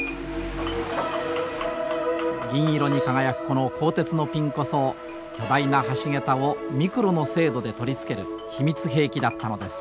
銀色に輝くこの鋼鉄のピンこそ巨大な橋桁をミクロの精度で取り付ける秘密兵器だったのです。